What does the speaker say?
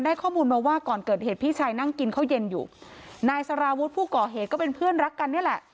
ข้อมูลมาว่าก่อนเกิดเหตุพี่ชายนั่งกินข้าวเย็นอยู่นายสารวุฒิผู้ก่อเหตุก็เป็นเพื่อนรักกันนี่แหละ